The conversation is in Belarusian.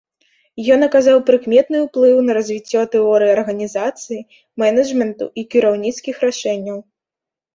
Ён аказаў прыкметны ўплыў на развіццё тэорыі арганізацыі, менеджменту і кіраўніцкіх рашэнняў.